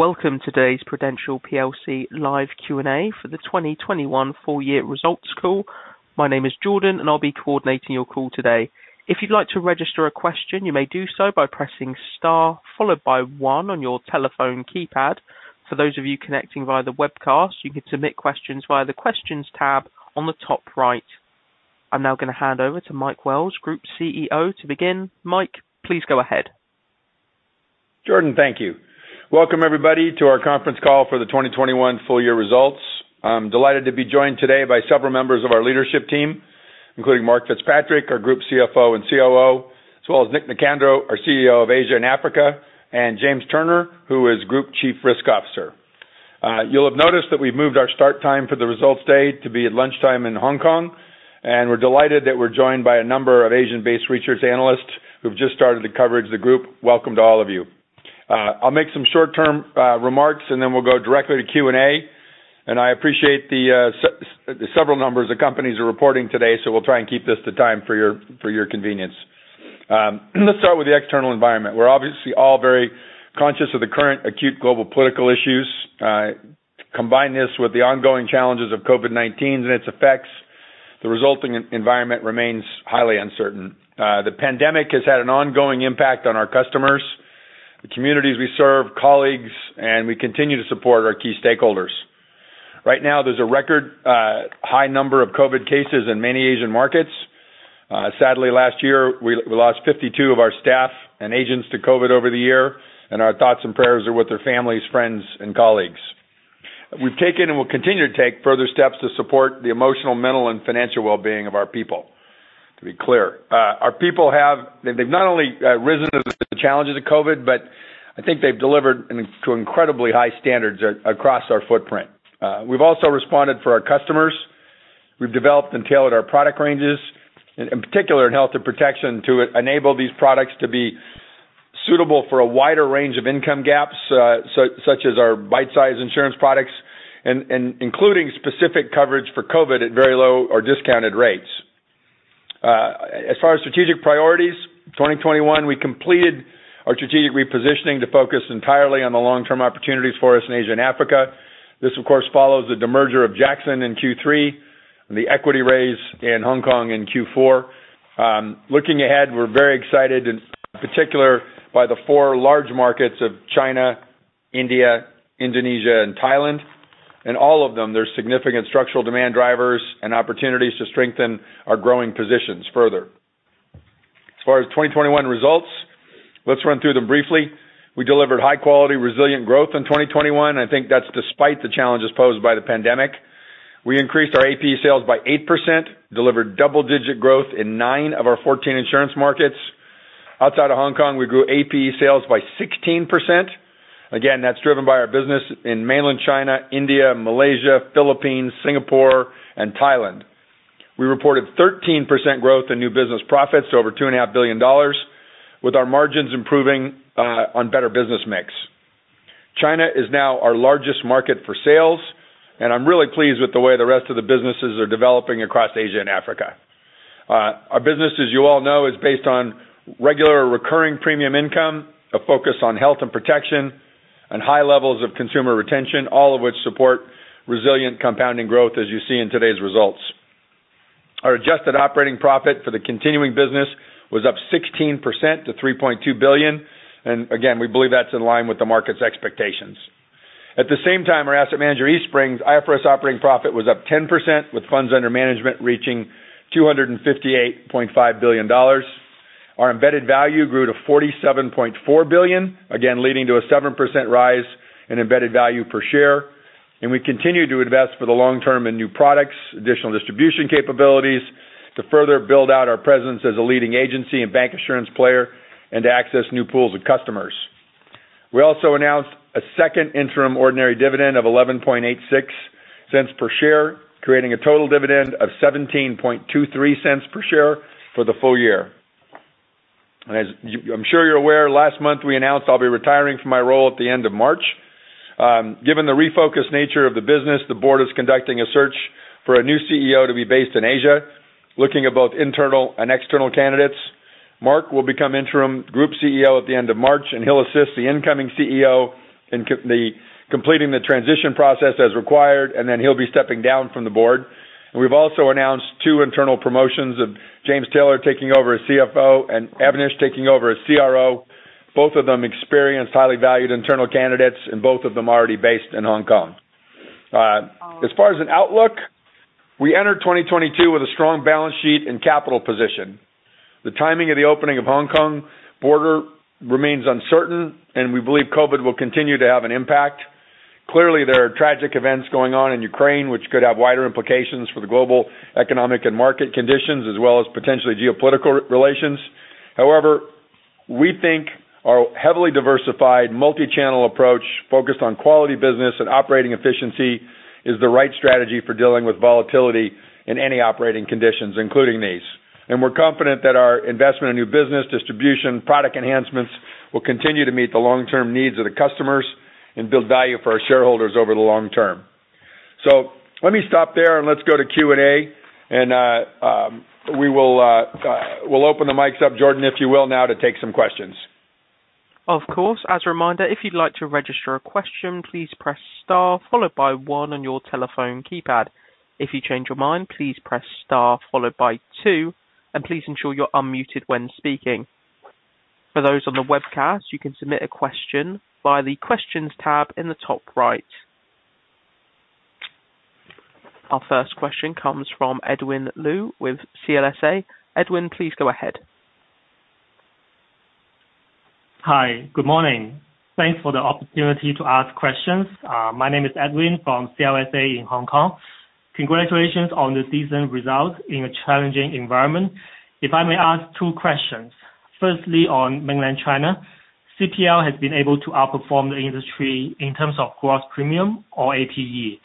Welcome to today's Prudential plc Live Q&A for the 2021 Full Year Results Call. My name is Jordan, and I'll be coordinating your call today. If you'd like to register a question, you may do so by pressing star, followed by one on your telephone keypad. For those of you connecting via the webcast, you can submit questions via the Questions tab on the top right. I'm now gonna hand over to Mike Wells, Group CEO, to begin. Mike, please go ahead. Jordan, thank you. Welcome everybody to our Conference Call for the 2021 Full Year Results. I'm delighted to be joined today by several members of our leadership team, including Mark FitzPatrick, our Group CFO and COO, as well as Nicolaos Nicandrou, our CEO of Asia and Africa, and James Turner, who is Group Chief Risk Officer. You'll have noticed that we've moved our start time for the results day to be at lunchtime in Hong Kong, and we're delighted that we're joined by a number of Asian-based research analysts who've just started their coverage of the group. Welcome to all of you. I'll make some short-term remarks, and then we'll go directly to Q&A, and I appreciate the several numbers the companies are reporting today, so we'll try and keep this on time for your convenience. Let's start with the external environment. We're obviously all very conscious of the current acute global political issues. Combine this with the ongoing challenges of COVID-19 and its effects, the resulting environment remains highly uncertain. The pandemic has had an ongoing impact on our customers, the communities we serve, colleagues, and we continue to support our key stakeholders. Right now, there's a record high number of COVID cases in many Asian markets. Sadly, last year we lost 52 of our staff and agents to COVID over the year, and our thoughts and prayers are with their families, friends and colleagues. We've taken and will continue to take further steps to support the emotional, mental and financial wellbeing of our people. To be clear, our people have. They've not only risen to the challenges of COVID, but I think they've delivered to incredibly high standards across our footprint. We've also responded for our customers. We've developed and tailored our product ranges, in particular in health and protection, to enable these products to be suitable for a wider range of income gaps, such as our bite-sized insurance products and including specific coverage for COVID at very low or discounted rates. As far as strategic priorities, 2021, we completed our strategic repositioning to focus entirely on the long-term opportunities for us in Asia and Africa. This, of course, follows the demerger of Jackson in Q3 and the equity raise in Hong Kong in Q4. Looking ahead, we're very excited, in particular by the four large markets of China, India, Indonesia and Thailand. In all of them, there's significant structural demand drivers and opportunities to strengthen our growing positions further. As far as 2021 results, let's run through them briefly. We delivered high quality, resilient growth in 2021. I think that's despite the challenges posed by the pandemic. We increased our APE sales by 8%, delivered double-digit growth in nine of our 14 insurance markets. Outside of Hong Kong, we grew APE sales by 16%. Again, that's driven by our business in mainland China, India, Malaysia, Philippines, Singapore and Thailand. We reported 13% growth in new business profits to over $2.5 billion with our margins improving on better business mix. China is now our largest market for sales, and I'm really pleased with the way the rest of the businesses are developing across Asia and Africa. Our business, as you all know, is based on regular recurring premium income, a focus on health and protection and high levels of consumer retention, all of which support resilient compounding growth as you see in today's results. Our adjusted operating profit for the continuing business was up 16% to $3.2 billion. Again, we believe that's in line with the market's expectations. At the same time, our asset manager, Eastspring Investments, IFRS operating profit was up 10%, with funds under management reaching $258.5 billion. Our embedded value grew to $47.4 billion, again leading to a 7% rise in embedded value per share. We continue to invest for the long term in new products, additional distribution capabilities to further build out our presence as a leading agency and bank insurance player and to access new pools of customers. We also announced a second interim ordinary dividend of $0.1186 per share, creating a total dividend of $0.1723 per share for the full year. I'm sure you're aware, last month we announced I'll be retiring from my role at the end of March. Given the refocused nature of the business, the board is conducting a search for a new CEO to be based in Asia, looking at both internal and external candidates. Mark will become interim Group CEO at the end of March, and he'll assist the incoming CEO in completing the transition process as required, and then he'll be stepping down from the board. We've also announced two internal promotions of James Taylor taking over as CFO and Avnish taking over as CRO. Both of them experienced, highly valued internal candidates and both of them already based in Hong Kong. As far as an outlook, we enter 2022 with a strong balance sheet and capital position. The timing of the opening of Hong Kong border remains uncertain and we believe COVID will continue to have an impact. Clearly, there are tragic events going on in Ukraine which could have wider implications for the global economic and market conditions as well as potentially geopolitical relations. However, we think our heavily diversified multi-channel approach focused on quality business and operating efficiency is the right strategy for dealing with volatility in any operating conditions, including these. We're confident that our investment in new business distribution, product enhancements will continue to meet the long-term needs of the customers and build value for our shareholders over the long term. Let me stop there and let's go to Q&A, and we'll open the mics up, Jordan, if you will, now to take some questions. Of course. As a reminder, if you'd like to register a question, please press star followed by one on your telephone keypad. If you change your mind, please press star followed by two, and please ensure you're unmuted when speaking. For those on the webcast, you can submit a question via the Questions tab in the top right. Our first question comes from Edwin Liu with CLSA. Edwin, please go ahead. Hi. Good morning. Thanks for the opportunity to ask questions. My name is Edwin from CLSA in Hong Kong. Congratulations on the decent result in a challenging environment. If I may ask two questions. Firstly, on mainland China, CPL has been able to outperform the industry in terms of gross premium or APE.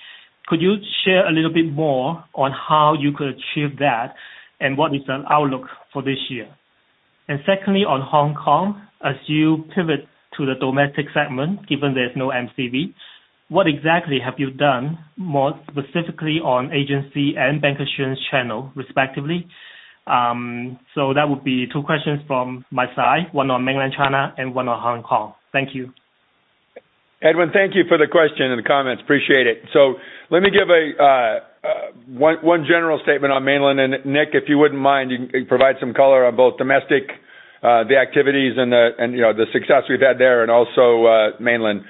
Could you share a little bit more on how you could achieve that, and what is the outlook for this year? Secondly, on Hong Kong, as you pivot to the domestic segment, given there's no MCV, what exactly have you done, more specifically on agency and bank assurance channel, respectively? That would be two questions from my side, one on mainland China and one on Hong Kong. Thank you. Edwin, thank you for the question and the comments. Appreciate it. Let me give one general statement on mainland, and Nick, if you wouldn't mind, you can provide some color on both domestic, the activities and the, you know, the success we've had there and also mainland.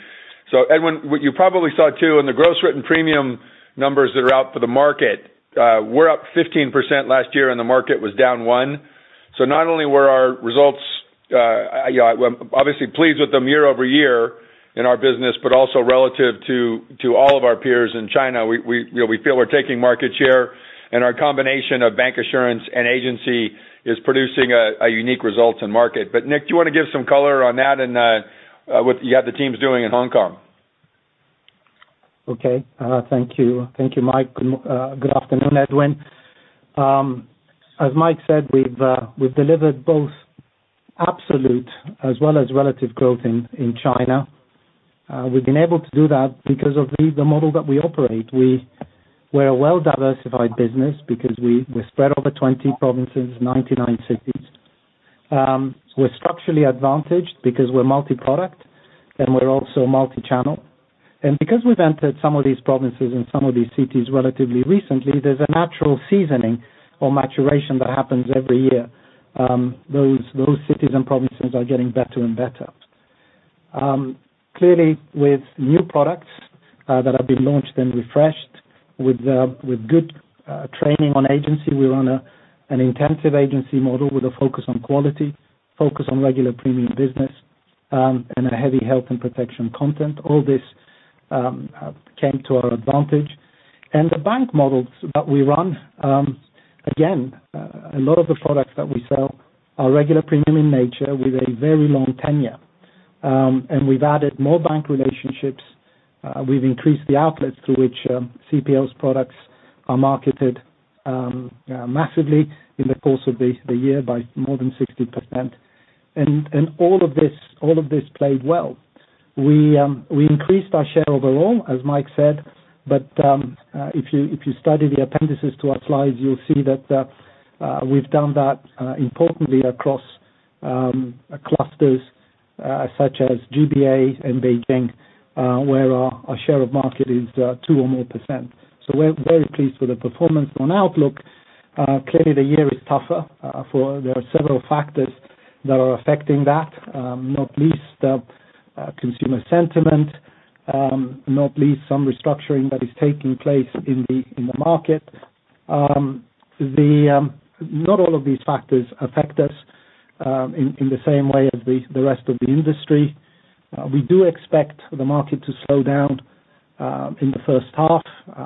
Edwin, what you probably saw too in the gross written premium numbers that are out for the market, we're up 15% last year, and the market was down 1%. Not only were our results, you know, obviously pleased with them year-over-year in our business, but also relative to all of our peers in China. We, you know, we feel we're taking market share, and our combination of bancassurance and agency is producing a unique result in market. Nick, do you wanna give some color on that and what you have the teams doing in Hong Kong? Okay. Thank you. Thank you, Mike. Good afternoon, Edwin. As Mike said, we've delivered both absolute as well as relative growth in China. We've been able to do that because of the model that we operate. We're a well-diversified business because we're spread over 20 provinces, 99 cities. We're structurally advantaged because we're multi-product and we're also multi-channel. Because we've entered some of these provinces and some of these cities relatively recently, there's a natural seasoning or maturation that happens every year. Those cities and provinces are getting better and better. Clearly, with new products that have been launched and refreshed with good training on agency, we run an intensive agency model with a focus on quality, focus on regular premium business, and a heavy health and protection content. All this came to our advantage. The bank models that we run, again, a lot of the products that we sell are regular premium in nature with a very long tenure. We've added more bank relationships. We've increased the outlets through which CPL's products are marketed massively in the course of the year by more than 60%. All of this played well. We increased our share overall, as Mike said, but if you study the appendices to our slides, you'll see that we've done that importantly across clusters such as GBA and Beijing, where our share of market is 2% or more. We're very pleased with the performance. On outlook, clearly the year is tougher for there are several factors that are affecting that, not least consumer sentiment, not least some restructuring that is taking place in the market. Not all of these factors affect us in the same way as the rest of the industry. We do expect the market to slow down in the first half.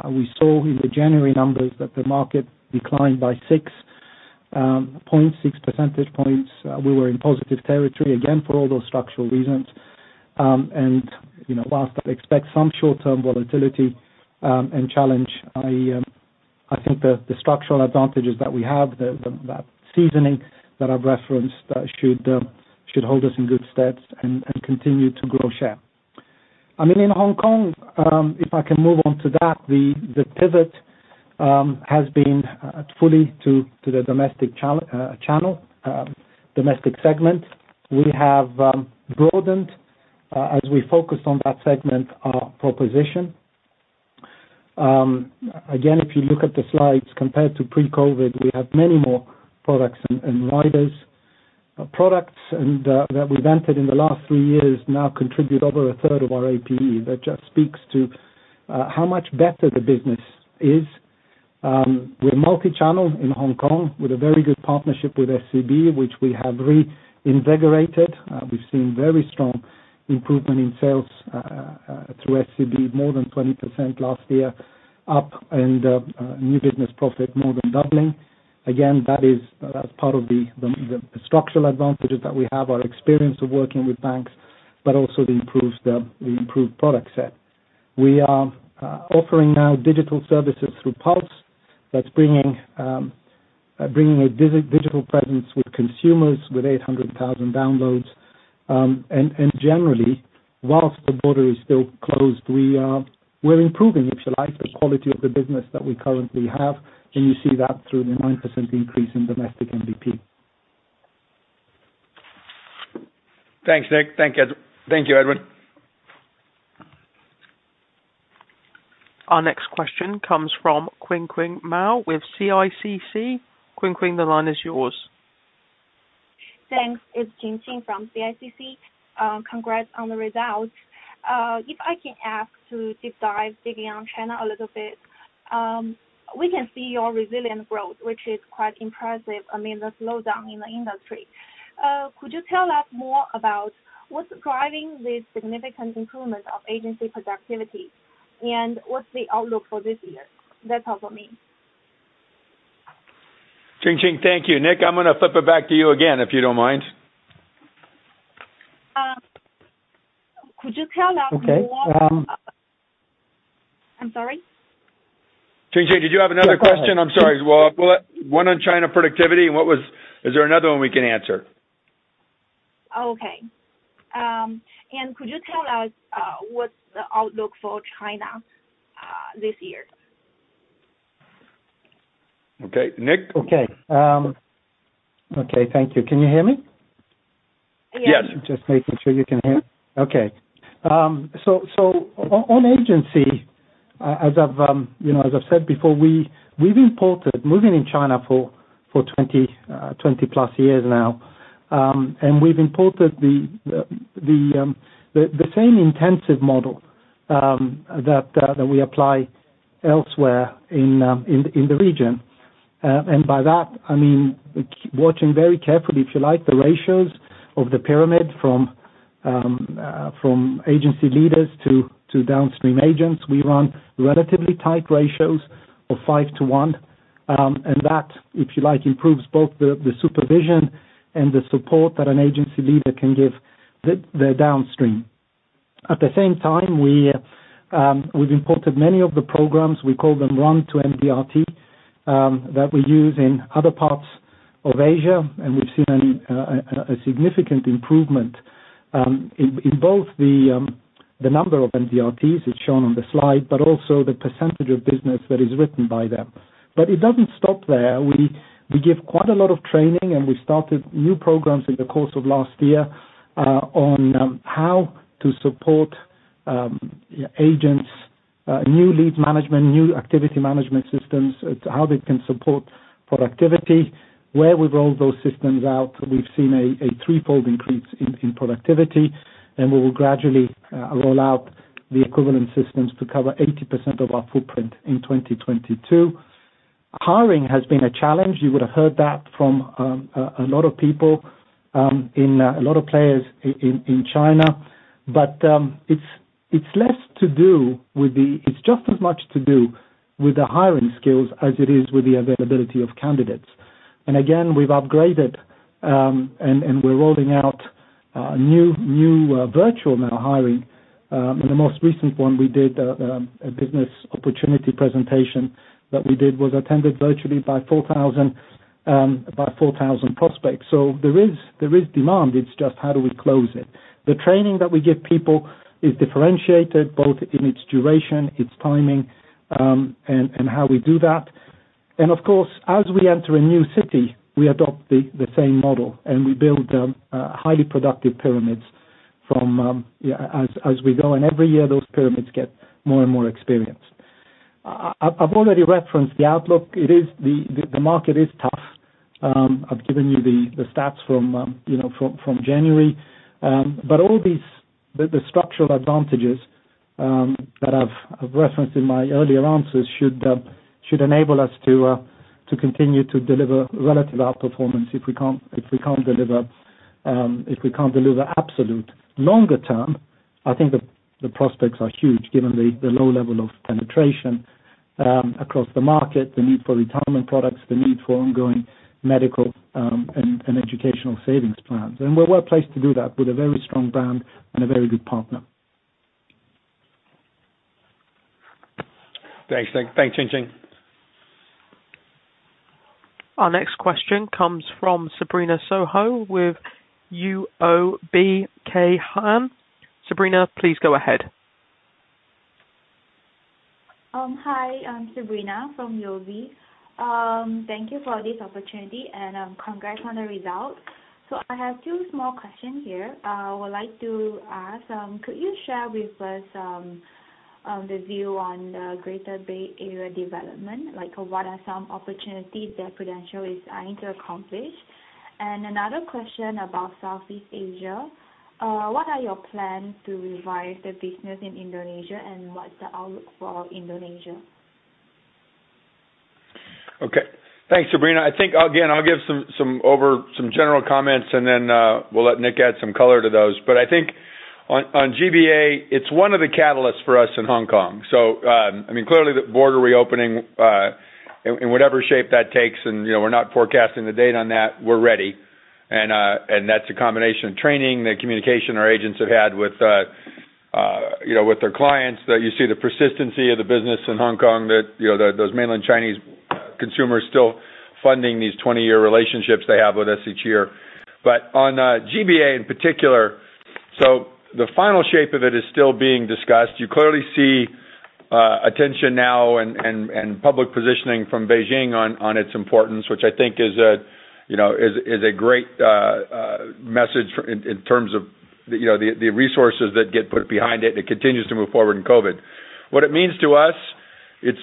We saw in the January numbers that the market declined by 6.6 percentage points. We were in positive territory, again, for all those structural reasons. You know, while I expect some short-term volatility and challenge, I think the structural advantages that we have, that seasoning that I've referenced, should hold us in good stead and continue to grow share. I mean, in Hong Kong, if I can move on to that, the pivot has been fully to the domestic channel, domestic segment. We have broadened as we focused on that segment, our proposition. Again, if you look at the slides compared to pre-COVID, we have many more products and riders. Products and that we've entered in the last three years now contribute over a third of our APE. That just speaks to how much better the business is. We're multi-channel in Hong Kong with a very good partnership with SCB, which we have reinvigorated. We've seen very strong improvement in sales through SCB, more than 20% last year, up and new business profit more than doubling. Again, that's part of the structural advantages that we have, our experience of working with banks, but also the improved product set. We are offering now digital services through Pulse that's bringing a digital presence with consumers with 800,000 downloads. Generally, while the border is still closed, we're improving, if you like, the quality of the business that we currently have, and you see that through the 9% increase in domestic NBP. Thanks, Nick. Thank you, Edward. Our next question comes from Jingjing Mao with CICC. Jingjing, the line is yours. Thanks. It's Jingjing Mao from CICC. Congrats on the results. If I can ask to deep dive deeply on China a little bit. We can see your resilient growth, which is quite impressive, I mean, the slowdown in the industry. Could you tell us more about what's driving this significant improvement of agency productivity? And what's the outlook for this year? That's all for me. Jingjing, thank you. Nick, I'm gonna flip it back to you again, if you don't mind. Could you tell us more? Okay. I'm sorry? Jingjing, did you have another question? I'm sorry. Well, we'll leave one on China productivity. What was it? Is there another one we can answer? Okay. Could you tell us what's the outlook for China this year? Okay. Nick? Okay. Okay. Thank you. Can you hear me? Yes. Yes. Just making sure you can hear. Okay. On agency, as you know, as I've said before, we've been operating in China for 20+ years now. We've imported the same intensive model that we apply elsewhere in the region. By that, I mean, watching very carefully, if you like, the ratios of the pyramid from agency leaders to downstream agents. We run relatively tight ratios of 5-1. That, if you like, improves both the supervision and the support that an agency leader can give the downstream. At the same time, we've imported many of the programs we call them run-to-MDRT that we use in other parts of Asia. We've seen a significant improvement in both the number of MDRTs, as shown on the slide, but also the percentage of business that is written by them. It doesn't stop there. We give quite a lot of training, and we started new programs in the course of last year on how to support agents, new lead management, new activity management systems, how they can support productivity. Where we've rolled those systems out, we've seen a threefold increase in productivity, and we will gradually roll out the equivalent systems to cover 80% of our footprint in 2022. Hiring has been a challenge. You would have heard that from a lot of people in a lot of players in China. It's just as much to do with the hiring skills as it is with the availability of candidates. Again, we've upgraded and we're rolling out virtual onboarding. The most recent one we did, a business opportunity presentation, was attended virtually by 4,000 prospects. There is demand. It's just how do we close it. The training that we give people is differentiated, both in its duration, its timing, and how we do that. Of course, as we enter a new city, we adopt the same model, and we build highly productive pyramids as we go. Every year, those pyramids get more and more experienced. I've already referenced the outlook. The market is tough. I've given you the stats from, you know, from January. But all these structural advantages that I've referenced in my earlier answers should enable us to continue to deliver relative outperformance if we can't deliver absolute longer term. I think the prospects are huge given the low level of penetration across the market, the need for retirement products, the need for ongoing medical and educational savings plans. We're well placed to do that with a very strong brand and a very good partner. Thanks, Nick. Thanks, Jingjing. Our next question comes from Sabrina Tso with UOB Kay Hian. Sabrina, please go ahead. Hi, I'm Sabrina from UOB. Thank you for this opportunity, and congrats on the results. I have two small questions here. I would like to ask, could you share with us the view on the Greater Bay Area development? Like, what are some opportunities that Prudential is eyeing to accomplish? Another question about Southeast Asia. What are your plans to revive the business in Indonesia, and what's the outlook for Indonesia? Okay. Thanks, Sabrina. I think again, I'll give some general comments, and then we'll let Nick add some color to those. I think on GBA, it's one of the catalysts for us in Hong Kong. I mean, clearly the border reopening in whatever shape that takes and, you know, we're not forecasting the date on that, we're ready. That's a combination of training, the communication our agents have had with You know, with their clients that you see the persistency of the business in Hong Kong that, you know, those mainland Chinese consumers still funding these 20-year relationships they have with us each year. On GBA in particular, the final shape of it is still being discussed. You clearly see attention now and public positioning from Beijing on its importance, which I think is a great message in terms of the resources that get put behind it, and it continues to move forward in COVID. What it means to us, it's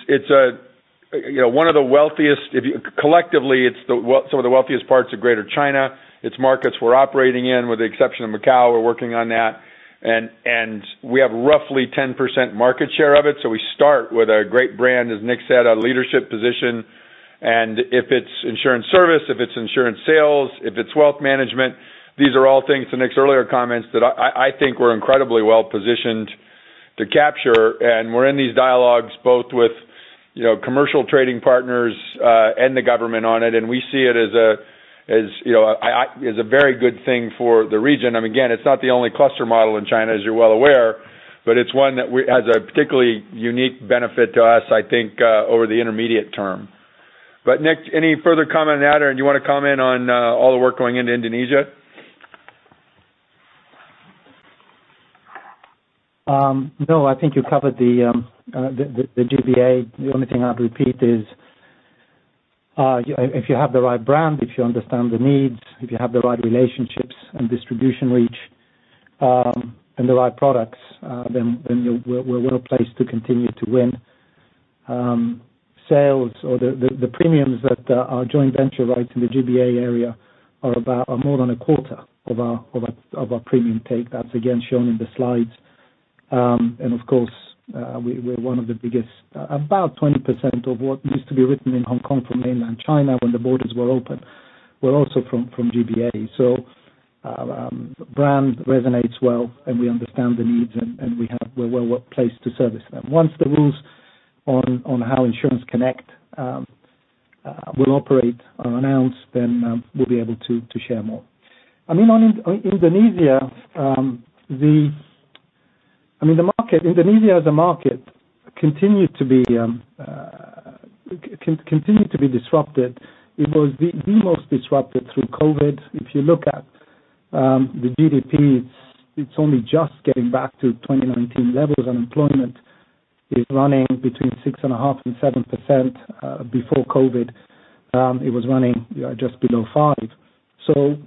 one of the wealthiest. Collectively, it's some of the wealthiest parts of Greater China. It's markets we're operating in, with the exception of Macau, we're working on that. We have roughly 10% market share of it, so we start with a great brand, as Nick said, a leadership position. If it's insurance service, if it's insurance sales, if it's wealth management, these are all things to Nick's earlier comments that I think we're incredibly well-positioned to capture. We're in these dialogues both with, you know, commercial trading partners and the government on it, and we see it as a, as, you know, as a very good thing for the region. Again, it's not the only cluster model in China, as you're well aware, but it's one that has a particularly unique benefit to us, I think, over the intermediate term. But Nick, any further comment on that, or do you wanna comment on all the work going into Indonesia? No, I think you covered the GBA. The only thing I'd repeat is if you have the right brand, if you understand the needs, if you have the right relationships and distribution reach, and the right products, then we're well placed to continue to win. Sales or the premiums that our joint venture writes in the GBA area are more than a quarter of our premium take. That's again shown in the slides. Of course, we're one of the biggest. About 20% of what used to be written in Hong Kong from Mainland China when the borders were open were also from GBA. Brand resonates well, and we understand the needs, and we're well placed to service them. Once the rules on how Insurance Connect will operate are announced, then we'll be able to share more. I mean, on Indonesia, the market, Indonesia as a market continued to be disrupted. It was the most disrupted through COVID. If you look at the GDP, it's only just getting back to 2019 levels. Unemployment is running between 6.5% and 7%. Before COVID, it was running just below 5%.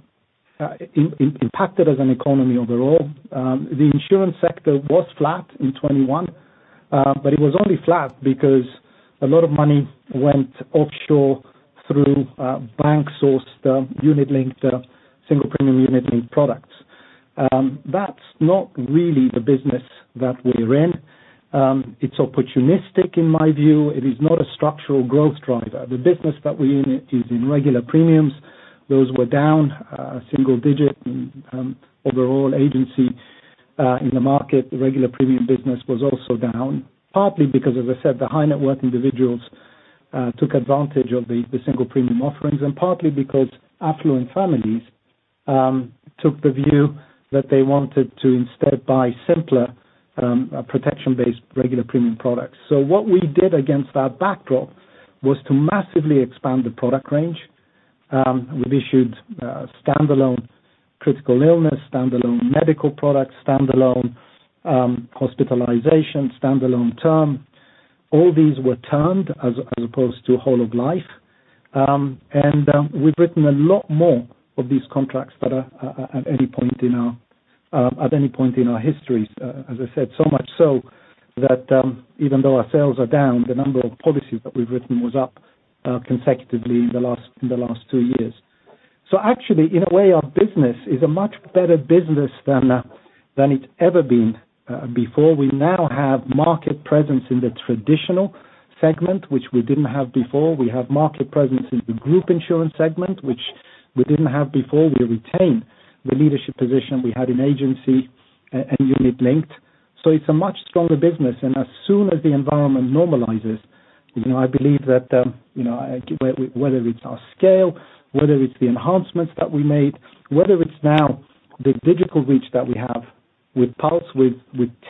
Impacted as an economy overall. The insurance sector was flat in 2021, but it was only flat because a lot of money went offshore through bank-sourced unit-linked single-premium unit-linked products. That's not really the business that we're in. It's opportunistic in my view. It is not a structural growth driver. The business that we're in is in regular premiums. Those were down single-digit and overall agency in the market. The regular premium business was also down, partly because as I said, the high net worth individuals took advantage of the single premium offerings, and partly because affluent families took the view that they wanted to instead buy simpler protection-based regular premium products. What we did against that backdrop was to massively expand the product range. We've issued standalone critical illness, standalone medical products, standalone hospitalization, standalone term. All these were termed as opposed to whole of life. We've written a lot more of these contracts that are at any point in our history, as I said, so much so that even though our sales are down, the number of policies that we've written was up consecutively the last two years. Actually, in a way, our business is a much better business than it's ever been before. We now have market presence in the traditional segment, which we didn't have before. We have market presence in the group insurance segment, which we didn't have before. We retain the leadership position we had in agency and unit linked. It's a much stronger business. As soon as the environment normalizes, you know, I believe that, whether it's our scale, whether it's the enhancements that we made, whether it's now the digital reach that we have with Pulse, with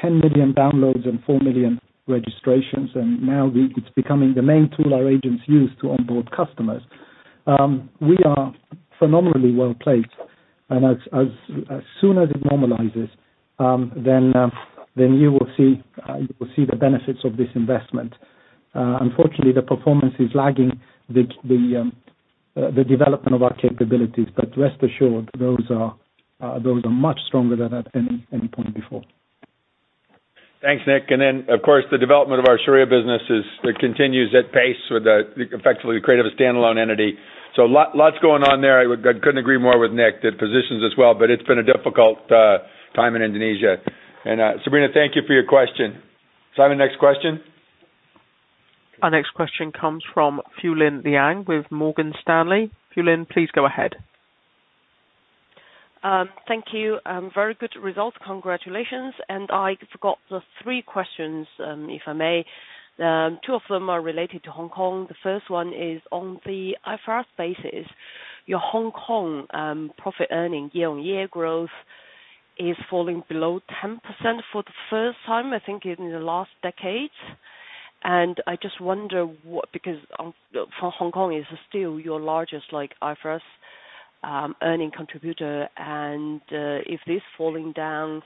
10 million downloads and 4 million registrations, and now it's becoming the main tool our agents use to onboard customers. We are phenomenally well-placed. As soon as it normalizes, then you will see the benefits of this investment. Unfortunately, the performance is lagging the development of our capabilities. But rest assured, those are much stronger than at any point before. Thanks, Nick. Of course, the development of our Sharia business continues at pace. Effectively, we created a standalone entity. Lots going on there. I couldn't agree more with Nick that positions us well, but it's been a difficult time in Indonesia. Sabrina, thank you for your question. Simon, next question. Our next question comes from Xu Linliang with Morgan Stanley. Su Lin, please go ahead. Thank you. Very good results. Congratulations. I forgot the three questions, if I may. Two of them are related to Hong Kong. The first one is on the IFRS basis Your Hong Kong profit earning year-on-year growth is falling below 10% for the first time, I think, in the last decade. I just wonder what, because for Hong Kong is still your largest like IFRS earning contributor. If this falling down,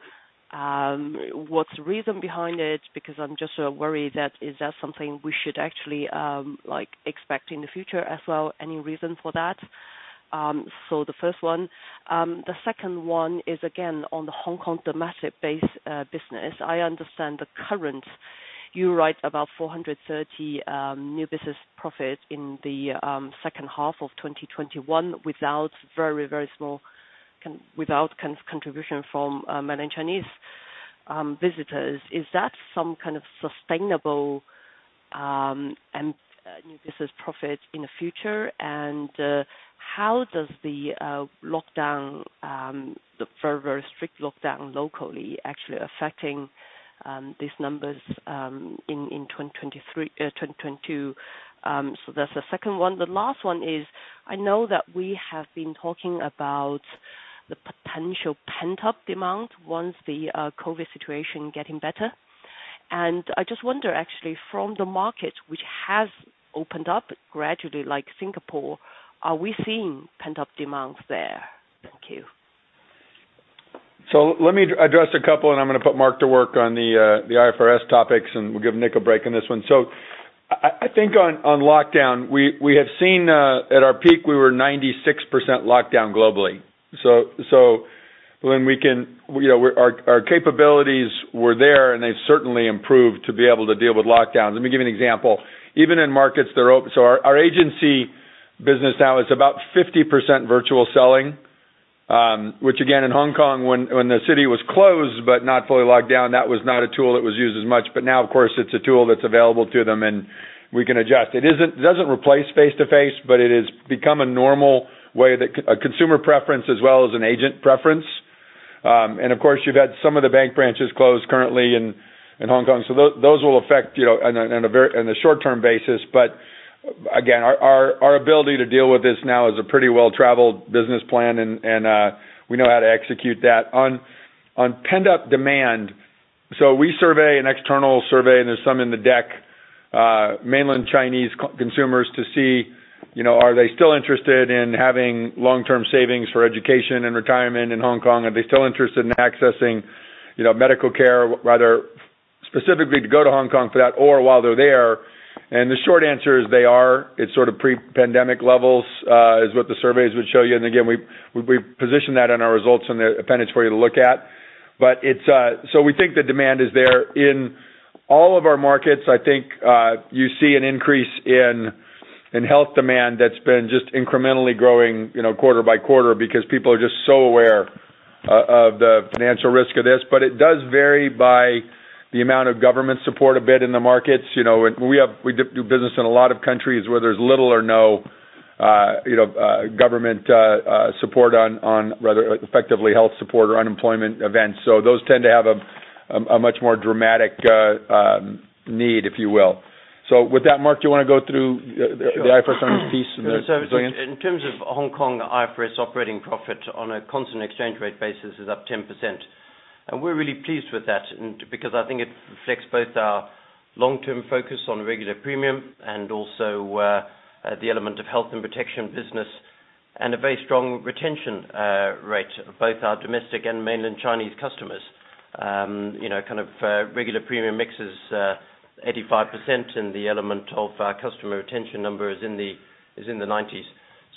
what's the reason behind it? Because I'm just worried that something we should actually like expect in the future as well. Any reason for that? The first one. The second one is again on the Hong Kong domestic base business. I understand currently you wrote about 430 new business profit in the second half of 2021 without very, very small contribution from mainland Chinese visitors. Is that some kind of sustainable new business profit in the future? How does the very strict lockdown locally actually affecting these numbers in 2023, 2022? That's the second one. The last one is, I know that we have been talking about the potential pent-up demand once the COVID situation getting better. I just wonder actually from the market which has opened up gradually, like Singapore, are we seeing pent-up demand there? Thank you. Let me address a couple, and I'm gonna put Mark to work on the IFRS topics, and we'll give Nick a break on this one. I think on lockdown, we have seen, at our peak we were 96% locked down globally. When we can, you know, our capabilities were there and they certainly improved to be able to deal with lockdowns. Let me give you an example. Even in markets that are open, our agency business now is about 50% virtual selling, which again, in Hong Kong when the city was closed but not fully locked down, that was not a tool that was used as much. Now of course it's a tool that's available to them and we can adjust. It doesn't replace face-to-face, but it has become a normal way that a consumer preference as well as an agent preference. Of course, you've had some of the bank branches close currently in Hong Kong. Those will affect, you know, on a very short-term basis. Again, our ability to deal with this now is a pretty well-traveled business plan, and we know how to execute that. On pent-up demand, we use an external survey, and there's some in the deck, mainland Chinese consumers to see, you know, are they still interested in having long-term savings for education and retirement in Hong Kong? Are they still interested in accessing, you know, medical care, rather specifically to go to Hong Kong for that or while they're there? The short answer is they are. It's sort of pre-pandemic levels is what the surveys would show you. Again, we position that in our results in the appendix for you to look at. It's so we think the demand is there. In all of our markets, I think, you see an increase in health demand that's been just incrementally growing, you know, quarter by quarter because people are just so aware of the financial risk of this. It does vary by the amount of government support a bit in the markets. We do business in a lot of countries where there's little or no government support, or rather effective health support or unemployment events. Those tend to have a much more dramatic need, if you will. With that, Mark, do you wanna go through the IFRS piece of the resilience? In terms of Hong Kong IFRS operating profit on a constant exchange rate basis is up 10%. We're really pleased with that and because I think it reflects both our long-term focus on regular premium and also, the element of health and protection business and a very strong retention, rate of both our domestic and mainland Chinese customers. You know, kind of, regular premium mix is, 85%, and the element of our customer retention number is in the, 90s.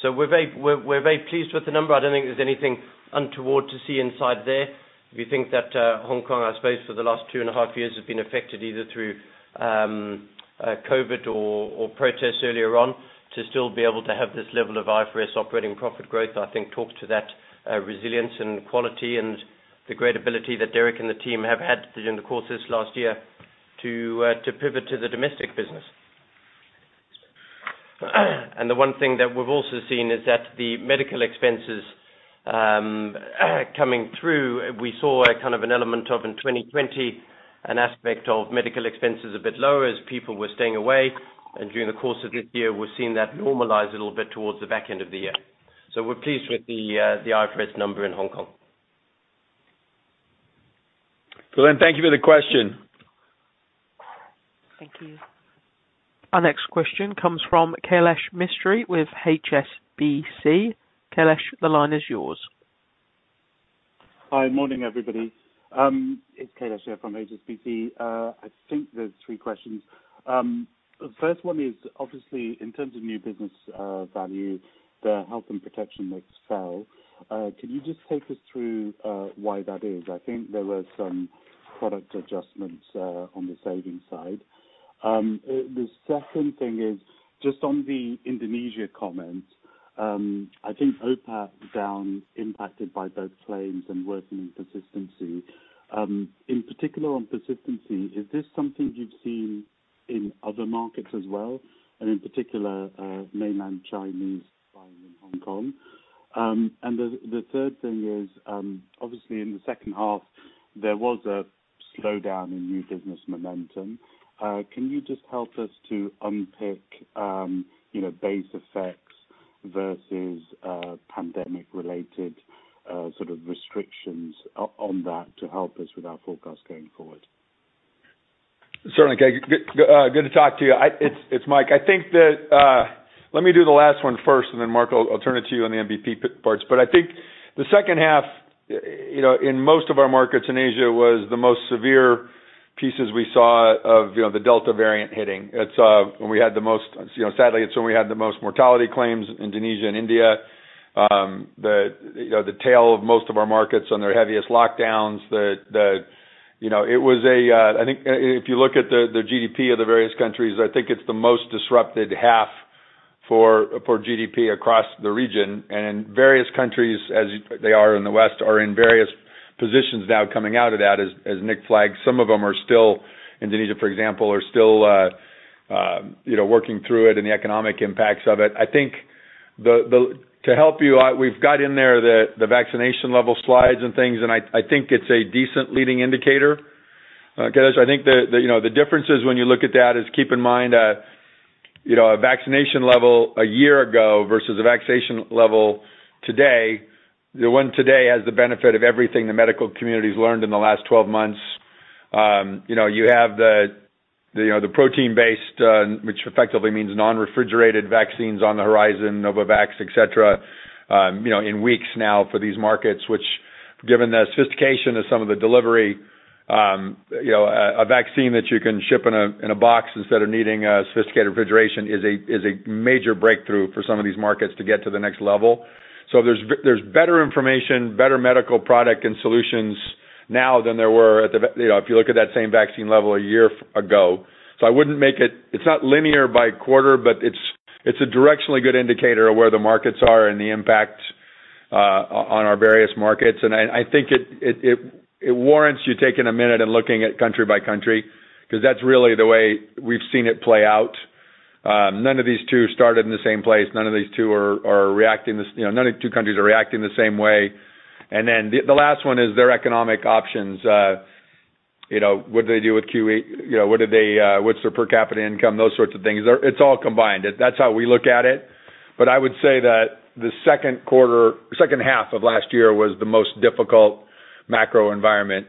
We're very pleased with the number. I don't think there's anything untoward to see inside there. If you think that, Hong Kong, I suppose for the last two and a half years has been affected either through COVID or protests earlier on, to still be able to have this level of IFRS operating profit growth, I think talks to that resilience and quality and the great ability that Derek and the team have had during the course of this last year to pivot to the domestic business. The one thing that we've also seen is that the medical expenses coming through. We saw a kind of an element of in 2020, an aspect of medical expenses a bit lower as people were staying away. During the course of this year, we've seen that normalize a little bit towards the back end of the year. We're pleased with the IFRS number in Hong Kong. Xu Lin, thank you for the question. Thank you. Our next question comes from Kailesh Mistry with HSBC. Kailesh, the line is yours. Hi. Morning, everybody. It's Kailash here from HSBC. I think there's three questions. First one is obviously in terms of new business value, the health and protection mix fell. Can you just take us through why that is? I think there were some product adjustments on the savings side. The second thing is just on the Indonesia comments. I think OPAT down impacted by both claims and worsening persistency. In particular on persistency, is this something you've seen in other markets as well, and in particular, mainland Chinese buying in Hong Kong? The third thing is, obviously in the second half, there was a slowdown in new business momentum. Can you just help us to unpick, you know, base effects versus pandemic-related sort of restrictions on that to help us with our forecast going forward? Certainly, good to talk to you. It's Mike. I think that, let me do the last one first, and then Mark, I'll turn it to you on the NBP parts. I think the second half in most of our markets in Asia was the most severe pieces we saw of the Delta variant hitting. It's when we had the most, sadly, it's when we had the most mortality claims, Indonesia and India. The tail of most of our markets on their heaviest lockdowns. It was, I think, if you look at the GDP of the various countries, I think it's the most disrupted half for GDP across the region. Various countries, as they are in the West, are in various positions now coming out of that as Nick flagged. Some of them are still, Indonesia, for example, working through it and the economic impacts of it. I think to help you out, we've got in there the vaccination level slides and things, and I think it's a decent leading indicator. Because I think you know, the differences when you look at that is keep in mind, you know, a vaccination level a year ago versus a vaccination level today, the one today has the benefit of everything the medical community's learned in the last 12 months. You know, you have the protein-based, which effectively means non-refrigerated vaccines on the horizon, Novavax, et cetera, you know, in weeks now for these markets, which given the sophistication of some of the delivery, you know, a vaccine that you can ship in a box instead of needing a sophisticated refrigeration is a major breakthrough for some of these markets to get to the next level. There's better information, better medical product and solutions now than there were, you know, if you look at that same vaccine level a year ago. I wouldn't make it. It's not linear by quarter, but it's a directionally good indicator of where the markets are and the impact on our various markets. I think it warrants you taking a minute and looking at country by country, 'cause that's really the way we've seen it play out. None of these two started in the same place. You know, none of the two countries are reacting the same way. The last one is their economic options. You know, what do they do with QE? You know, what's their per capita income? Those sorts of things. It's all combined. That's how we look at it. I would say that the second half of last year was the most difficult macro environment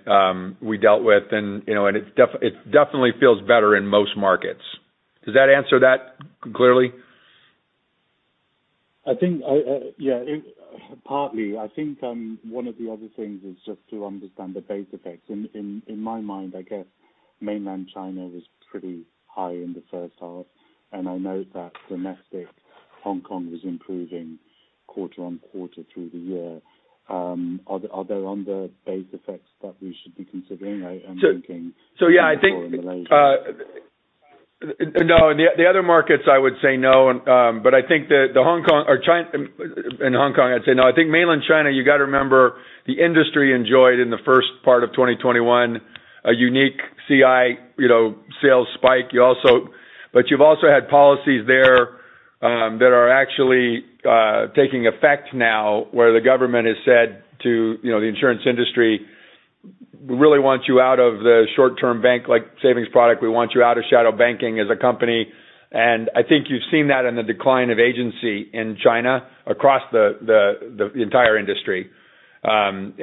we dealt with. You know, it definitely feels better in most markets. Does that answer that clearly? I think, partly. I think, one of the other things is just to understand the base effects. In my mind, I guess mainland China was pretty high in the first half, and I know that domestic Hong Kong was improving quarter-over-quarter through the year. Are there other base effects that we should be considering? I am thinking- The other markets, I would say no. I think that the Hong Kong or in Hong Kong, I'd say no. I think mainland China, you gotta remember the industry enjoyed in the first part of 2021, a unique CI, you know, sales spike. You've also had policies there that are actually taking effect now, where the government has said to, you know, the insurance industry, "We really want you out of the short-term bank like savings product. We want you out of shadow banking as a company." I think you've seen that in the decline of agency in China across the entire industry. You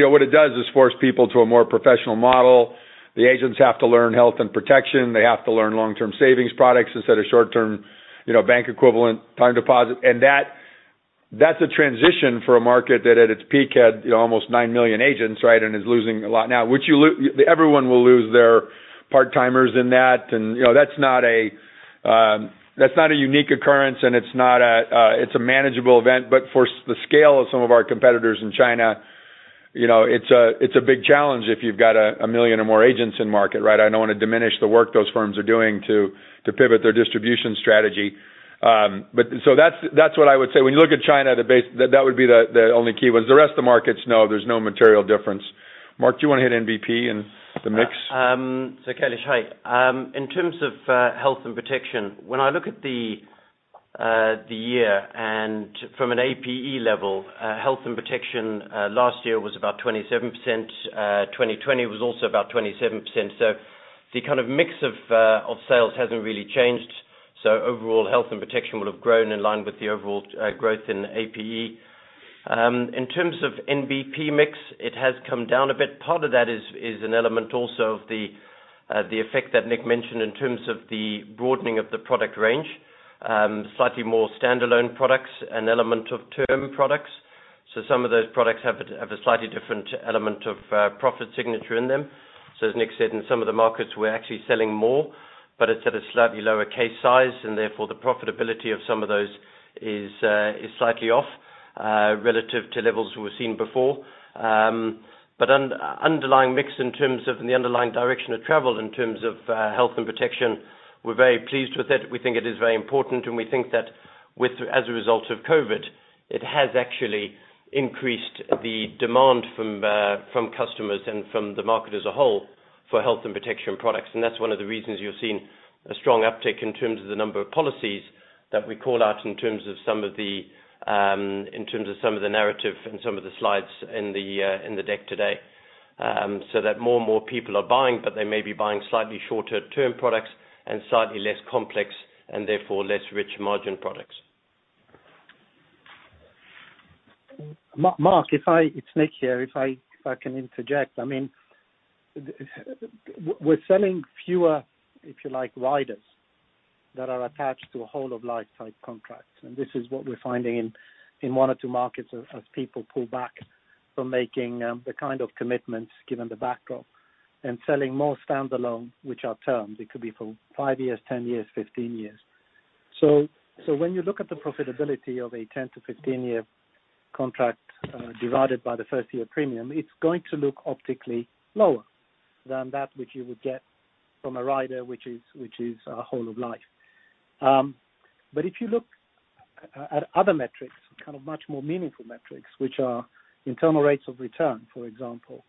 know, what it does is force people to a more professional model. The agents have to learn health and protection. They have to learn long-term savings products instead of short-term, you know, bank equivalent time deposit. That's a transition for a market that at its peak had, you know, almost 9 million agents, right? It is losing a lot now. Which everyone will lose their part-timers in that. You know, that's not a unique occurrence and it's a manageable event. For the scale of some of our competitors in China, you know, it's a big challenge if you've got a million or more agents in market, right? I don't wanna diminish the work those firms are doing to pivot their distribution strategy. That's what I would say. When you look at China, the base, that would be the only key ones. The rest of the markets, no, there's no material difference. Mark, do you wanna hit NBP and the mix? Kailesh, hi. In terms of health and protection, when I look at the year and from an APE level, health and protection last year was about 27%, 2020 was also about 27%. The kind of mix of sales hasn't really changed. Overall health and protection will have grown in line with the overall growth in APE. In terms of NBP mix, it has come down a bit. Part of that is an element also of the effect that Nick mentioned in terms of the broadening of the product range, slightly more standalone products and element of term products. Some of those products have a slightly different element of profit signature in them. As Nick said, in some of the markets, we're actually selling more, but it's at a slightly lower case size and therefore the profitability of some of those is slightly off relative to levels we've seen before. Underlying mix in terms of, and the underlying direction of travel in terms of, health and protection, we're very pleased with it. We think it is very important, and we think that with, as a result of COVID, it has actually increased the demand from customers and from the market as a whole for health and protection products. That's one of the reasons you're seeing a strong uptick in terms of the number of policies that we call out in terms of some of the narrative and some of the slides in the deck today, that more and more people are buying, but they may be buying slightly shorter term products and slightly less complex and therefore less rich margin products. Mark, it's Nick here. If I can interject. I mean, we're selling fewer, if you like, riders that are attached to a whole of life type contracts. This is what we're finding in one or two markets as people pull back from making the kind of commitments given the backdrop and selling more standalone, which are termed. It could be for five years, 10 years, 15 years. When you look at the profitability of a 10- to 15-year contract divided by the first year premium, it's going to look optically lower than that which you would get from a rider which is whole of life. If you look at other metrics, kind of much more meaningful metrics, which are internal rates of return, for example,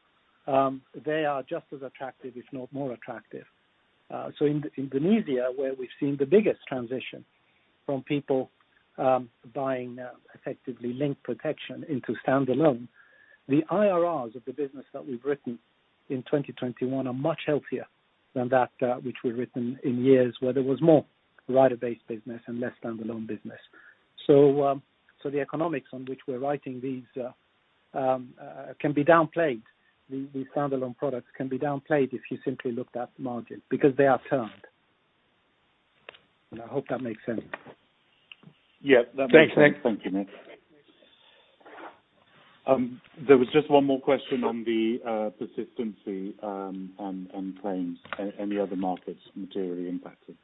they are just as attractive if not more attractive. So in Indonesia, where we've seen the biggest transition from people buying unit-linked protection into standalone, the IRRs of the business that we've written in 2021 are much healthier than that, which we've written in years where there was more rider-based business and less standalone business. So the economics on which we're writing these can be downplayed. These standalone products can be downplayed if you simply looked at margin because they are termed. I hope that makes sense. Yeah, that makes sense. Thanks, Nick. Thank you, Nick. There was just one more question on the persistency on claims. Any other markets materially impacted?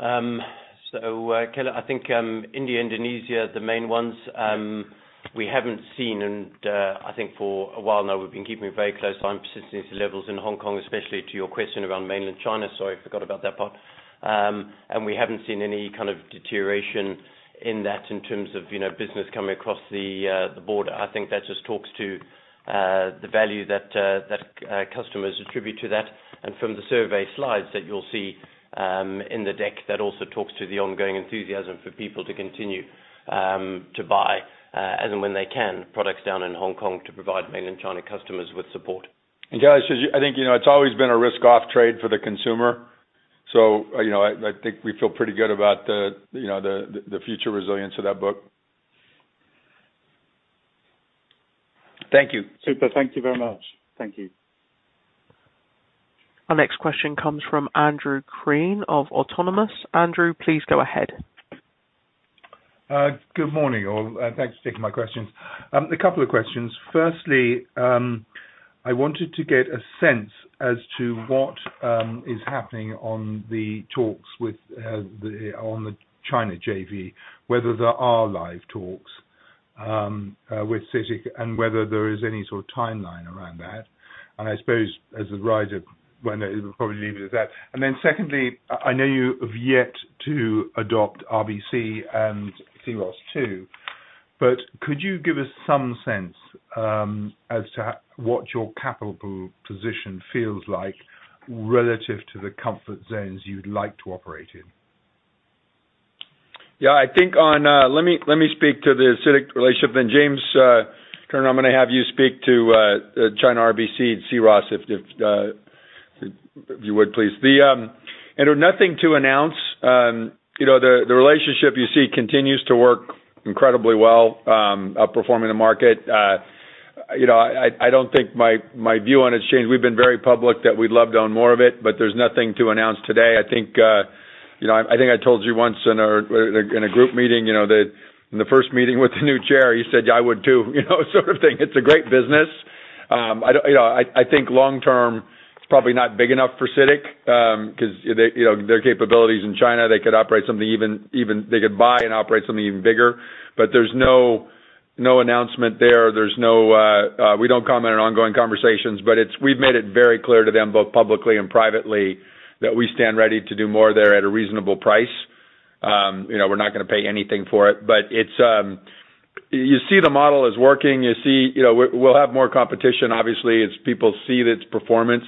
Kailash, I think India, Indonesia are the main ones. We haven't seen, I think for a while now we've been keeping a very close eye on persistency levels in Hong Kong, especially to your question around Mainland China. Sorry, I forgot about that part. We haven't seen any kind of deterioration in that in terms of, you know, business coming across the border. I think that just talks to the value that customers attribute to that. From the survey slides that you'll see in the deck, that also talks to the ongoing enthusiasm for people to continue to buy, and when they can, products down in Hong Kong to provide Mainland China customers with support. Guys, just, I think, you know, it's always been a risk off trade for the consumer. You know, I think we feel pretty good about the, you know, the future resilience of that book. Thank you. Super. Thank you very much. Thank you. Our next question comes from Andrew Crean of Autonomous. Andrew, please go ahead. Good morning, all. Thanks for taking my questions. A couple of questions. Firstly, I wanted to get a sense as to what is happening on the talks with the China JV, whether there are live talks with CITIC and whether there is any sort of timeline around that. Then secondly, I know you have yet to adopt RBC and C-ROSS II, but could you give us some sense as to what your capital position feels like relative to the comfort zones you'd like to operate in? Yeah, I think, let me speak to the CITIC relationship, then James Turner, I'm gonna have you speak to China RBC and C-ROSS if you would, please. Andrew, nothing to announce. You know, the relationship you see continues to work incredibly well, outperforming the market. You know, I don't think my view on it has changed. We've been very public that we'd love to own more of it, but there's nothing to announce today. I think you know, I think I told you once in a group meeting, you know, that in the first meeting with the new chair, he said, "Yeah, I would too," you know, sort of thing. It's a great business. I don't... You know, I think long term, it's probably not big enough for CITIC, 'cause they, you know, their capabilities in China, they could operate something even bigger. They could buy and operate something even bigger. But there's no announcement there. There's no. We don't comment on ongoing conversations, but we've made it very clear to them, both publicly and privately, that we stand ready to do more there at a reasonable price. You know, we're not gonna pay anything for it, but it's, you see the model is working. You see. You know, we'll have more competition, obviously, as people see its performance.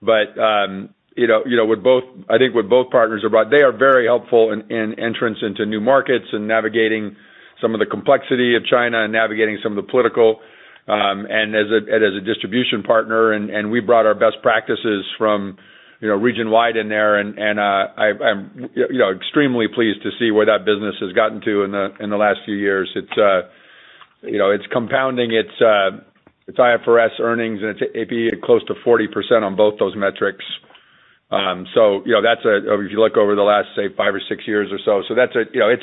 You know what both partners have brought, I think they are very helpful in entrance into new markets and navigating some of the complexity of China and navigating some of the political and as a distribution partner. We brought our best practices from, you know, region wide in there. I'm you know, extremely pleased to see where that business has gotten to in the last few years. It's you know, it's compounding its IFRS earnings, and it's APE close to 40% on both those metrics. You know, that's, if you look over the last, say, five or six years or so. You know, it's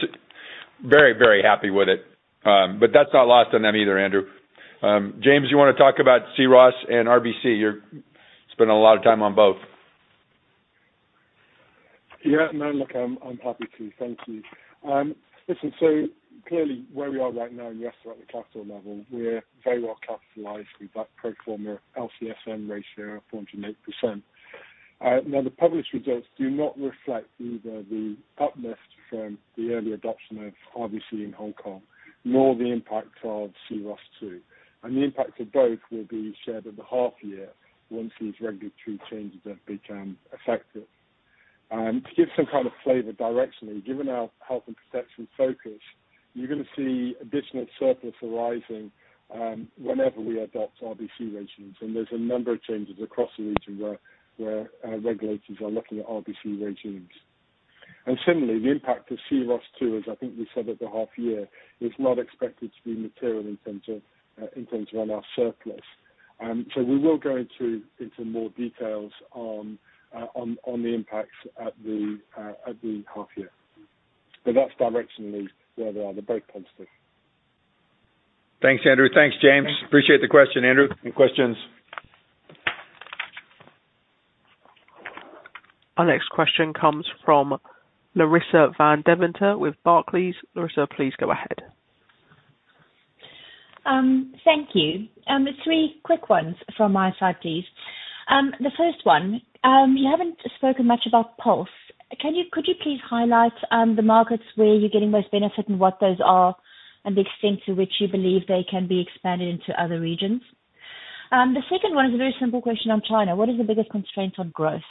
very, very happy with it. That's not lost on them either, Andrew. James, you wanna talk about C-ROSS and RBC? You're spending a lot of time on both. Yeah. No, look, I'm happy to. Thank you. Listen, clearly where we are right now, yes, we're at the capital level, we're very well capitalized. We've got pro forma LCSM ratio of 408%. Now the published results do not reflect either the uplift from the early adoption of RBC in Hong Kong, nor the impact of C-ROSS II. The impact of both will be shared at the half year once these regulatory changes have become effective. To give some kind of flavor directionally, given our health and protection focus, you're gonna see additional surplus arising whenever we adopt RBC regimes. There's a number of changes across the region where regulators are looking at RBC regimes. Similarly, the impact of C-ROSS II, as I think we said at the half year, is not expected to be material in terms of our surplus. We will go into more details on the impacts at the half year. That's directionally where they are. They're both positive. Thanks, Andrew. Thanks, James. Appreciate the question, Andrew. Any questions? Our next question comes from Larissa van Deventer with Barclays. Larissa, please go ahead. Thank you. Three quick ones from my side, please. The first one, you haven't spoken much about Pulse. Could you please highlight the markets where you're getting most benefit and what those are, and the extent to which you believe they can be expanded into other regions? The second one is a very simple question on China. What is the biggest constraint on growth?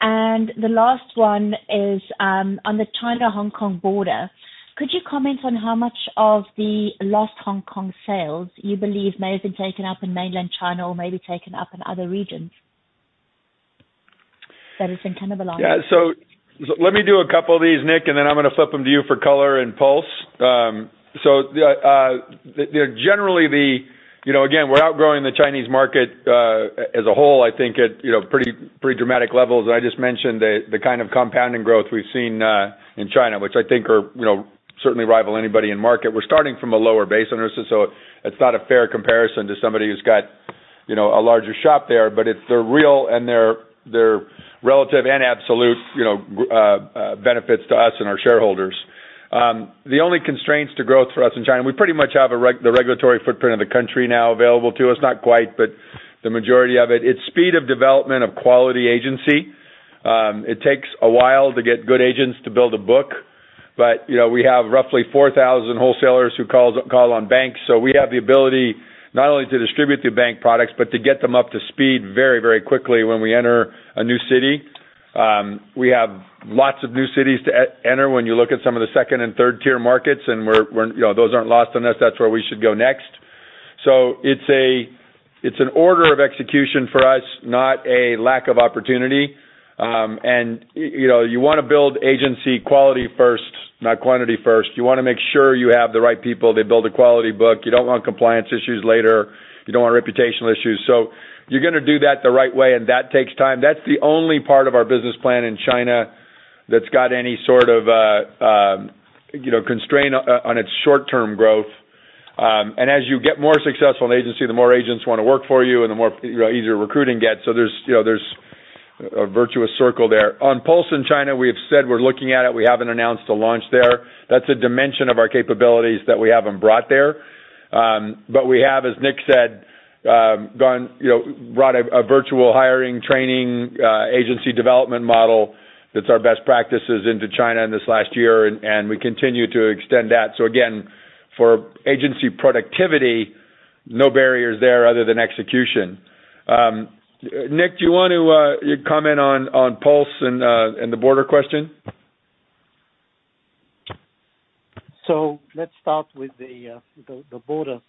The last one is, on the China-Hong Kong border. Could you comment on how much of the lost Hong Kong sales you believe may have been taken up in mainland China or may be taken up in other regions? That is in terms of Let me do a couple of these, Nick, and then I'm gonna flip them to you for color and Pulse. They're generally the you know, again, we're outgrowing the Chinese market as a whole, I think, at you know, pretty dramatic levels. I just mentioned the kind of compounding growth we've seen in China, which I think are you know, certainly rival anybody in market. We're starting from a lower base on this, and so it's not a fair comparison to somebody who's got you know, a larger shop there. It's the real and their relative and absolute you know benefits to us and our shareholders. The only constraints to growth for us in China, we pretty much have the regulatory footprint of the country now available to us, not quite, but the majority of it. It's speed of development of quality agency. It takes a while to get good agents to build a book. You know, we have roughly 4,000 wholesalers who call on banks. We have the ability not only to distribute the bank products, but to get them up to speed very, very quickly when we enter a new city. We have lots of new cities to enter when you look at some of the second and third tier markets, and we're, you know, those aren't lost on us. That's where we should go next. It's an order of execution for us, not a lack of opportunity. You know, you wanna build agency quality first, not quantity first. You wanna make sure you have the right people. They build a quality book. You don't want compliance issues later. You don't want reputational issues. You're gonna do that the right way, and that takes time. That's the only part of our business plan in China that's got any sort of, you know, constraint on its short-term growth. As you get more successful in agency, the more agents wanna work for you and the more, you know, easier recruiting gets. There's, you know, a virtuous circle there. On Pulse in China, we have said we're looking at it. We haven't announced a launch there. That's a dimension of our capabilities that we haven't brought there. We have, as Nick said, gone, you know, brought a virtual hiring, training, agency development model that's our best practices into China in this last year, and we continue to extend that. Again, for agency productivity, no barriers there other than execution. Nick, do you want to comment on Pulse and the border question? Let's start with the border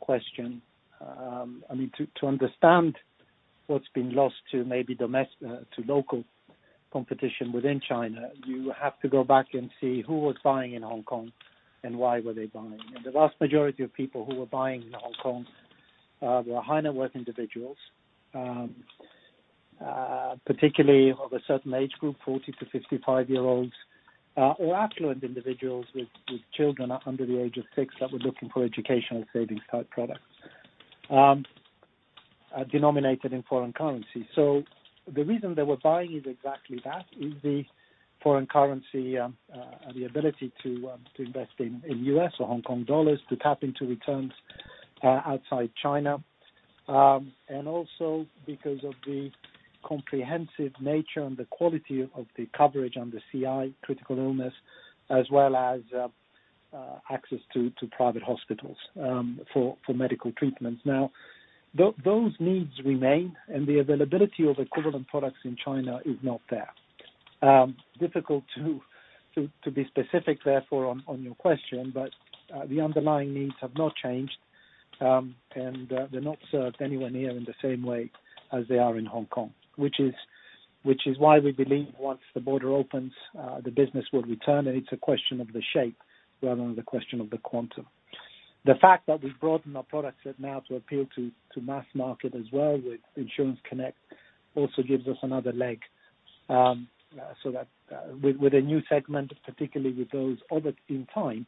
question. I mean, to understand what's been lost to maybe local competition within China, you have to go back and see who was buying in Hong Kong and why were they buying. The vast majority of people who were buying in Hong Kong were high net worth individuals, particularly of a certain age group, 40- to 55-year-olds, or affluent individuals with children under the age of six that were looking for educational savings type products, denominated in foreign currency. The reason they were buying is exactly that, is the foreign currency, the ability to invest in US or Hong Kong dollars to tap into returns outside China. Because of the comprehensive nature and the quality of the coverage on the CI critical illness, as well as access to private hospitals for medical treatments. Now, those needs remain, and the availability of equivalent products in China is not there. Difficult to be specific therefore on your question, but the underlying needs have not changed, and they're not served anywhere near in the same way as they are in Hong Kong. Which is why we believe once the border opens, the business will return, and it's a question of the shape rather than the question of the quantum. The fact that we've broadened our product set now to appeal to mass market as well with Insurance Connect also gives us another leg, so that with a new segment, particularly with those others in Thailand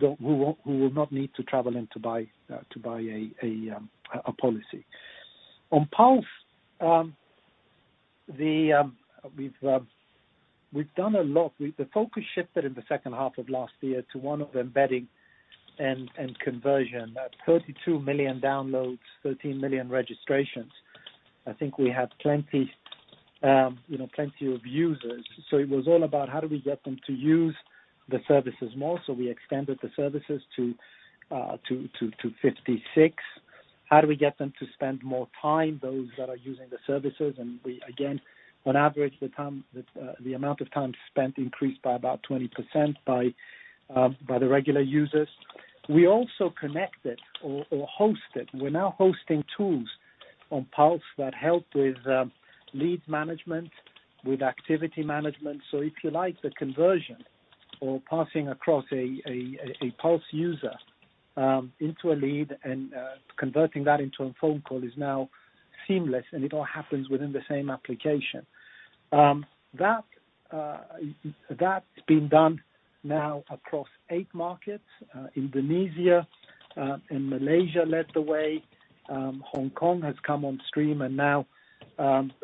who will not need to travel in to buy a policy. On Pulse, we've done a lot. The focus shifted in the second half of last year to one of embedding and conversion. That's 32 million downloads, 13 million registrations. I think we have plenty, you know, of users. So it was all about how do we get them to use the services more. So we expanded the services to 56. How do we get them to spend more time, those that are using the services? We again, on average, the amount of time spent increased by about 20% by the regular users. We also hosted. We're now hosting tools on Pulse that help with lead management, with activity management. So if you like the conversion or passing across a Pulse user into a lead and converting that into a phone call is now seamless, and it all happens within the same application. That's been done now across eight markets. Indonesia and Malaysia led the way. Hong Kong has come on stream. Now,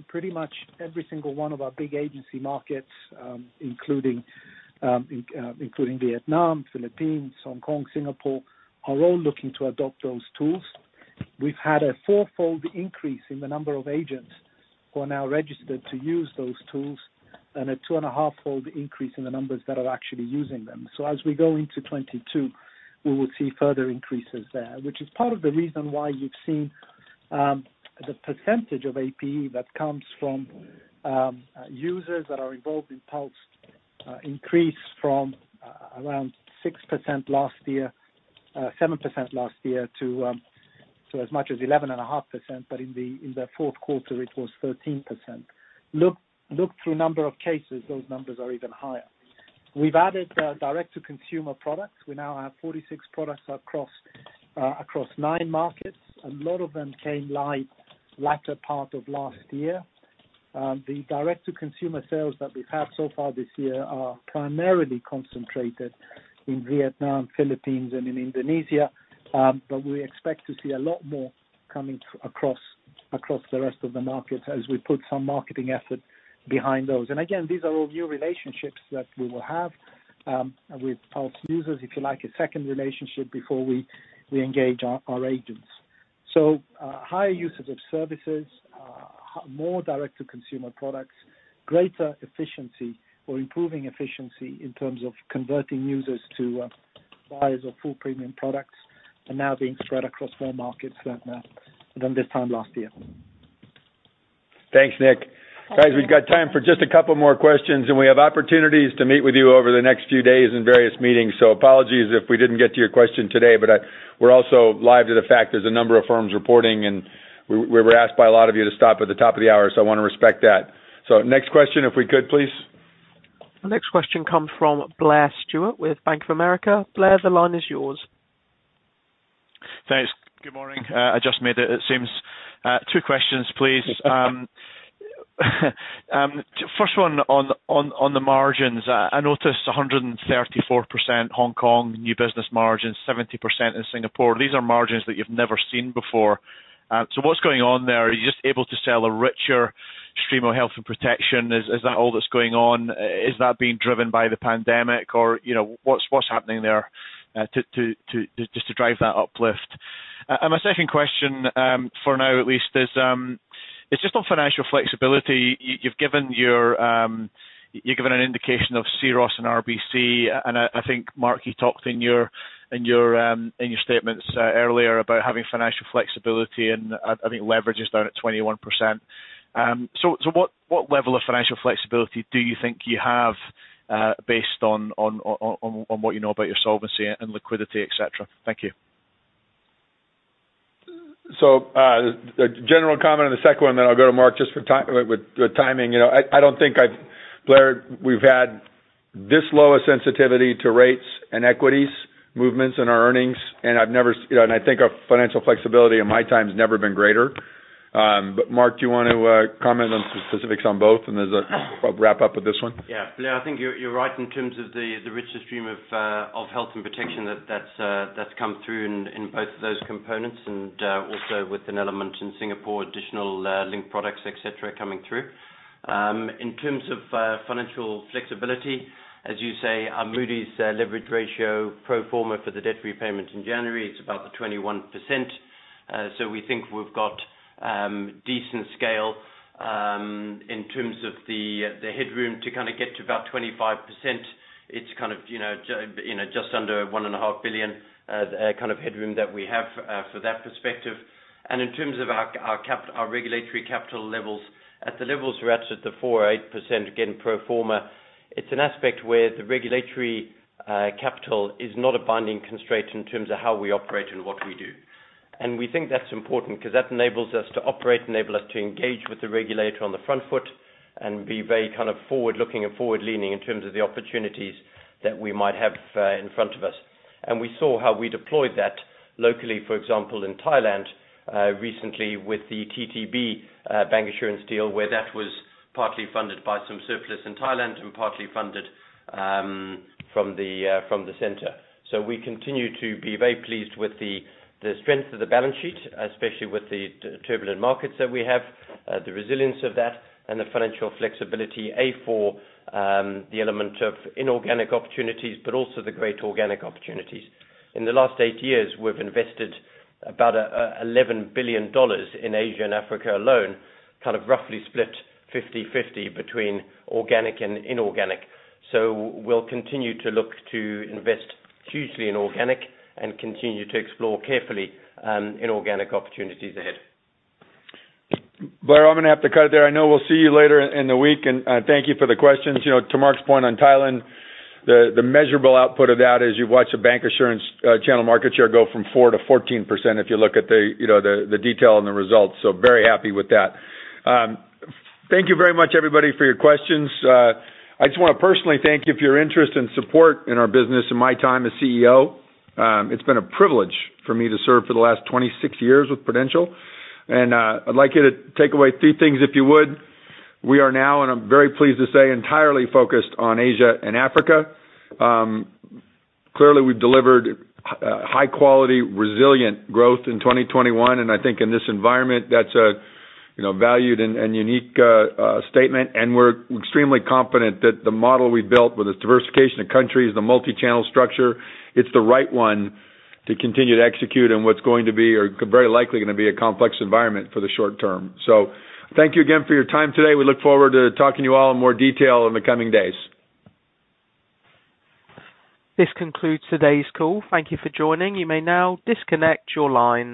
pretty much every single one of our big agency markets, including Vietnam, Philippines, Hong Kong, Singapore, are all looking to adopt those tools. We've had a fourfold increase in the number of agents who are now registered to use those tools and a 2.5-fold increase in the numbers that are actually using them. As we go into 2022, we will see further increases there. Which is part of the reason why you've seen the percentage of APE that comes from users that are involved in Pulse increase from around 6% last year, 7% last year to so as much as 11.5%, but in the fourth quarter, it was 13%. Look through number of cases, those numbers are even higher. We've added direct to consumer products. We now have 46 products across 9 markets. A lot of them came live latter part of last year. The direct to consumer sales that we've had so far this year are primarily concentrated in Vietnam, Philippines, and in Indonesia. We expect to see a lot more coming across the rest of the markets as we put some marketing effort behind those. Again, these are all new relationships that we will have with Pulse users. If you like a second relationship before we engage our agents. Higher usage of services, more direct to consumer products, greater efficiency or improving efficiency in terms of converting users to buyers of full premium products are now being spread across more markets than this time last year. Thanks, Nick. Guys, we've got time for just a couple more questions, and we have opportunities to meet with you over the next few days in various meetings. Apologies if we didn't get to your question today, but we're also live to the fact there's a number of firms reporting, and we were asked by a lot of you to stop at the top of the hour, so I wanna respect that. Next question, if we could, please. The next question comes from Blair Stewart with Bank of America. Blair, the line is yours. Thanks. Good morning. I just made it seems. Two questions, please. First one on the margins. I noticed 134% Hong Kong new business margins, 70% in Singapore. These are margins that you've never seen before. What's going on there? Are you just able to sell a richer stream of health and protection? Is that all that's going on? Is that being driven by the pandemic or, you know, what's happening there to just drive that uplift? My second question, for now at least, is it's just on financial flexibility. You've given an indication of C-ROSS and RBC, and I think, Mark, you talked in your statements earlier about having financial flexibility, and I think leverage is down at 21%. So, what level of financial flexibility do you think you have, based on what you know about your solvency and liquidity, et cetera? Thank you. A general comment on the second one, then I'll go to Mark just for timing. You know, I don't think I've. Blair, we've had this lowest sensitivity to rates and equities movements in our earnings. You know, and I think our financial flexibility in my time has never been greater. Mark, do you want to comment on specifics on both, and there's a wrap up with this one? Yeah. Yeah, I think you're right in terms of the richer stream of health and protection that's come through in both of those components and also with an element in Singapore, additional link products, et cetera, coming through. In terms of financial flexibility, as you say, our Moody's leverage ratio pro forma for the debt repayment in January, it's about 21%. We think we've got decent scale in terms of the headroom to kind of get to about 25%. It's kind of, you know, just under $1.5 billion kind of headroom that we have for that perspective. In terms of our regulatory capital levels, at the levels we're at the 4%-8%, again, pro forma, it's an aspect where the regulatory capital is not a binding constraint in terms of how we operate and what we do. We think that's important 'cause that enables us to operate, enable us to engage with the regulator on the front foot and be very kind of forward-looking and forward-leaning in terms of the opportunities that we might have in front of us. We saw how we deployed that locally, for example, in Thailand, recently with the TTB bancassurance deal, where that was partly funded by some surplus in Thailand and partly funded from the center. We continue to be very pleased with the strength of the balance sheet, especially with the turbulent markets that we have, the resilience of that and the financial flexibility for the element of inorganic opportunities, but also the great organic opportunities. In the last eight years, we've invested about $11 billion in Asia and Africa alone, kind of roughly split 50-50 between organic and inorganic. We'll continue to look to invest hugely in organic and continue to explore carefully inorganic opportunities ahead. Blair, I'm gonna have to cut it there. I know we'll see you later in the week, and thank you for the questions. You know, to Mark's point on Thailand, the measurable output of that is you've watched the bank insurance channel market share go from 4% to 14%, if you look at the detail and the results. Very happy with that. Thank you very much, everybody, for your questions. I just wanna personally thank you for your interest and support in our business in my time as CEO. It's been a privilege for me to serve for the last 26 years with Prudential. I'd like you to take away three things, if you would. We are now, and I'm very pleased to say, entirely focused on Asia and Africa. Clearly, we've delivered high quality, resilient growth in 2021, and I think in this environment, that's a, you know, valued and unique statement. We're extremely confident that the model we built with this diversification of countries, the multi-channel structure, it's the right one to continue to execute on what's going to be or very likely gonna be a complex environment for the short term. Thank you again for your time today. We look forward to talking to you all in more detail in the coming days. This concludes today's call. Thank you for joining. You may now disconnect your line.